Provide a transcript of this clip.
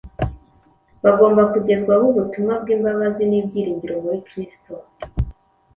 bagomba kugezwaho ubutumwa bw’imbabazi n’ibyiringiro muri Kristo.